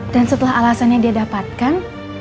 dan setelah alasannya dia dapatkan